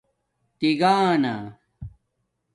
تگانݳ